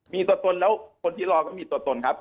มีตัวตนแล้วคนที่รอก็มีตัวตนครับ